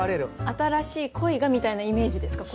「新しい恋が」みたいなイメージですか？